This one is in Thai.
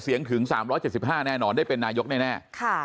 เสียงถึงสามร้อยเจ็ดสิบห้าแน่นอนได้เป็นนายกแน่แน่ค่ะ